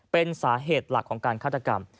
เป็นสาเหตุหลักของการฆาตกรรม